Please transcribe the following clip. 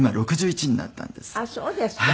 あっそうですか。